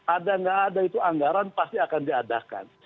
ada nggak ada itu anggaran pasti akan diadakan